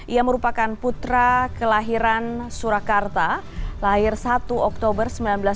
ia merupakan putra kelahiran surakarta lahir satu oktober seribu sembilan ratus empat puluh